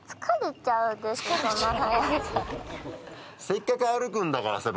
せっかく歩くんだからさ